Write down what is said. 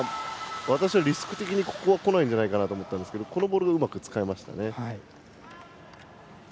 私はリスク的にこないんじゃないかと思ったんですが隣のボールをうまく使いました。